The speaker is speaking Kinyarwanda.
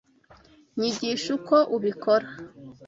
Nyigisha uko ubikora.